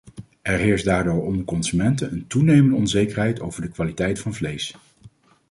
Er heerst daardoor onder consumenten een toenemende onzekerheid over de kwaliteit van vlees.